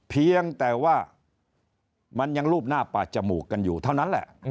เพียงแต่ว่ามันยังรูปหน้าปาดจมูกกันอยู่เท่านั้นแหละ